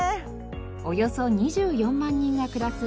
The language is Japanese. およそ２４万人が暮らす調布市。